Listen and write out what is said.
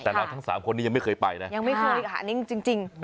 แต่เราทั้ง๓คนยังไม่เคยไปนะยังไม่เคยอีกค่ะนี่จริง